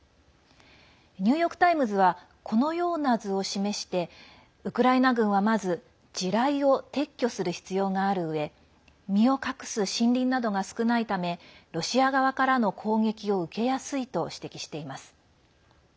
ニューヨーク・タイムズはこのような図を示してウクライナ軍は、まず地雷を撤去をする必要があるうえ身を隠す森林などが少ないためロシア側からの攻撃を受けやすいと指摘しています。